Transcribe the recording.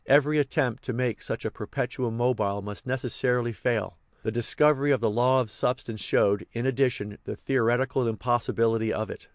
Every attempt to make such a per petuum mobile must necessarily fail; the discovery of the law of substance showed, in addition, the theoreti cal impossibility of it.